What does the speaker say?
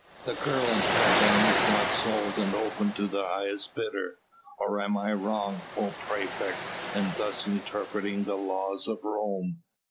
The girl until then is not sold, and open to the highest bidder. Or am I wrong, O praefect, in thus interpreting the laws of Rome?"